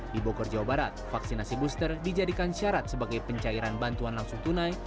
di bogor jawa barat vaksinasi booster dijadikan syarat sebagai pencairan bantuan langsung tunai